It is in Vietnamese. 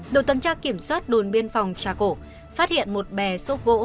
đội tuần tra kiểm soát đồn biên phòng trà cổ phát hiện một bè xốp gỗ